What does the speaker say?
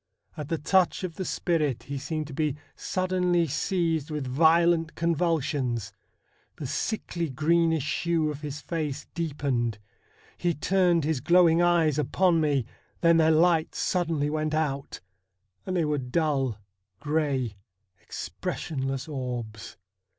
At the touch of the spirit he seemed to be suddenly seized with violent convulsions. The sickly, greenish hue of his face deepened. He turned his glowing eyes upon me, then their light suddenly went out, and they were dull, grey, expressionless orbs.